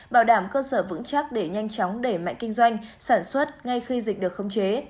bảo đảm cơ sở vững chắc để nhanh chóng đẩy mạnh kinh doanh sản xuất ngay khi dịch được khống chế